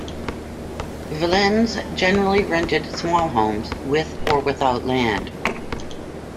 Villeins generally rented small homes, with or without land.